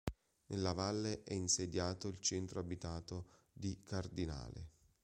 Nella valle è insediato il centro abitato di Cardinale.